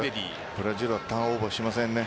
ブラジルはターンオーバーしませんね。